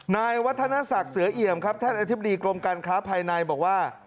นายวัฒนศักดิ์เสือเอี่ยมครับท่านอธิบดีกรมการค้าภายในบอกว่า